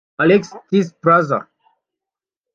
Alexis Tsipras